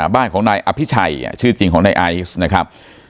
บ้านของนายอภิชัยชื่อจริงของนายไอซ์นะครับ